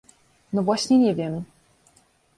No właśnie nie wiem.